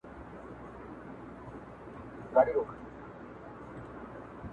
o دا نو ژوند سو درد یې پرېږده او یار باسه.